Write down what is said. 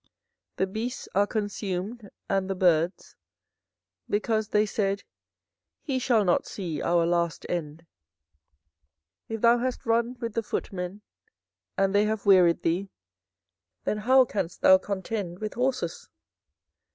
the beasts are consumed, and the birds; because they said, He shall not see our last end. 24:012:005 If thou hast run with the footmen, and they have wearied thee, then how canst thou contend with horses?